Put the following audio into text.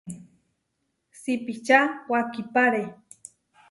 Sipiča wakipáre.